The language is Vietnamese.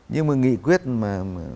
nhưng mà nghị quyết mà